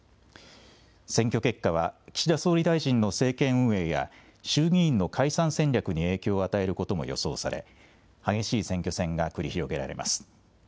選挙結果は岸田総理大臣の政権運営や衆議院の解散戦略に影響を与えることも予想され、激しい選挙戦が繰り広げられます。